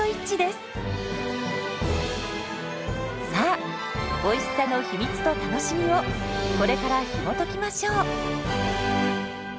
さあおいしさの秘密と楽しみをこれからひもときましょう！